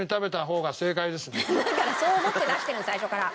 だからそう思って出してるの最初から。